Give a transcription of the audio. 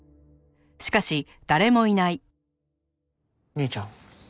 兄ちゃん？